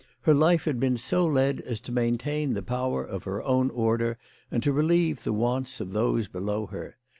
Her life had been so led as to maintain the power of her own order, and relieve the wants of those below her.